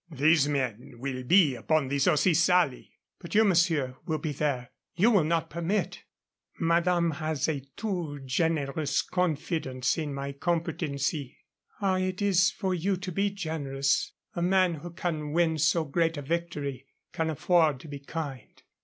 "These men will be upon the Saucy Sally." "But you, monsieur, will be there you will not permit " "Madame has a too generous confidence in my competency." "Ah, it is for you to be generous. A man who can win so great a victory can afford to be kind."